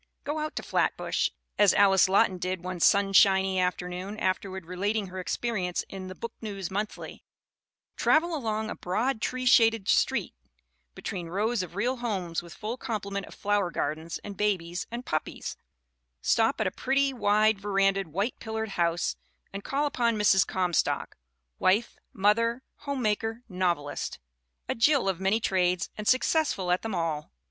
' Go out to Flatbush, as Alice Lawton did one sun shiny afternoon, afterward relating her experience In the Book News Monthly; travel along a "broad, tree shaded street between rows of real homes with full complement of flower gardens and babies and puppies ; stop at a pretty, wide verandaed, white pillared house and call upon Mrs. Comstock, wife, mother, home maker, novelist a Jill of many trades and success ful at them all!"